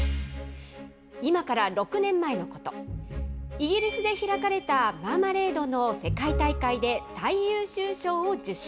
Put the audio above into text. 今から６年前のこと、イギリスで開かれたマーマレードの世界大会で最優秀賞を受賞。